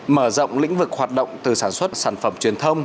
mở rộng lĩnh vực hoạt động từ sản xuất sản phẩm truyền thông